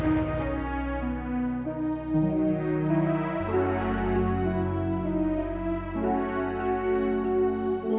cari pacar yang ngasih kebebasan